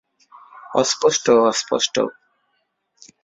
অস্পষ্ট, অস্পষ্ট!